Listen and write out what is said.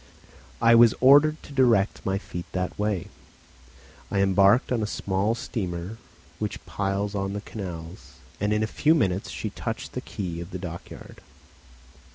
I was ordered to direct my feet that way; I embarked on a small steamer which plies on the canals, and in a few minutes she touched the quay of the dockyard.